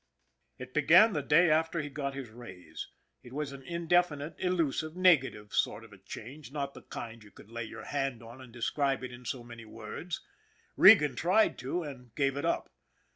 It began the day after he got his raise. It was an indefinite, elusive, negative sort of a change, not the kind you could lay your hand on and describe in so many words. Regan tried to, and gave it up.